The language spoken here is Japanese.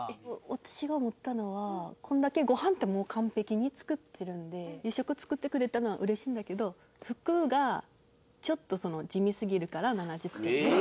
私が思ったのはこんだけごはんってもう完璧に作ってるので「夕食作ってくれたのはうれしいんだけど服がちょっと地味すぎるから７０点」。